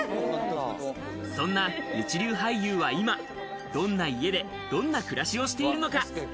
そんな一流俳優は今、どんな家でどんな暮らしをしているのか？